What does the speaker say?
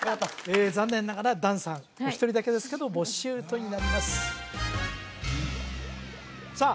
残念ながら檀さんお一人だけですけどボッシュートになりますさあ